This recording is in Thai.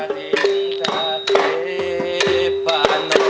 ทาเททาเทพาน่ม